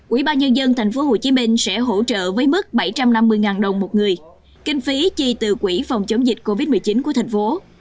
ủy ban nhân dân tp hcm sẽ hỗ trợ với mức bảy trăm năm mươi đồng một người kinh phí chi từ quỹ phòng chống dịch covid một mươi chín của thành phố